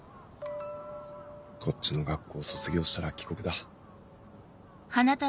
こっちの学校を卒業したら帰国だ。